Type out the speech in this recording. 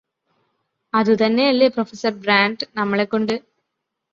അതുതന്നെയല്ലേ പ്രൊഫ ബ്രാന്റ് നമ്മളെക്കൊണ്ട്